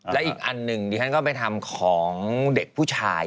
และอีกอันหนึ่งดิฉันก็ไปทำของเด็กผู้ชาย